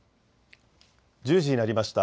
１０時になりました。